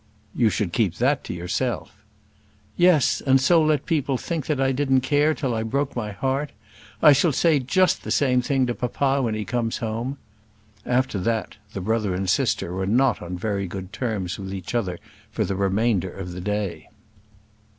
"You should keep that to yourself." "Yes, and so let people think that I didn't care, till I broke my heart! I shall say just the same to papa when he comes home." After that the brother and sister were not on very good terms with each other for the remainder of the day.